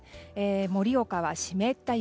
盛岡は湿った雪。